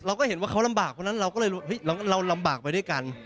เราก็เห็นว่าเขาลำบากเพราะฉะนั้นเราก็เลยเราลำบากไปด้วยกัน